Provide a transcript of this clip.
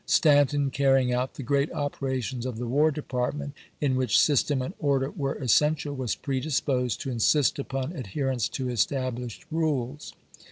Stanton, carrying out the great operations of the War Department, in which system and order were essential, was predisposed to insist upon ad herence to established rules.